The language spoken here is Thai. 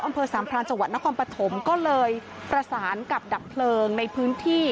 อำเภอสามพรานจังหวัดนครปฐมก็เลยประสานกับดับเพลิงในพื้นที่